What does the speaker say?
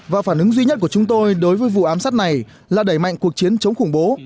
và phản ứng duy nhất của chúng tôi đối với vụ ám sát này là đẩy mạnh cuộc chiến chống khủng bố